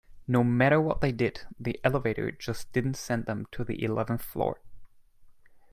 No matter what they did, the elevator just didn't send them to the eleventh floor.